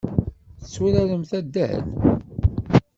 Tetturaremt addal?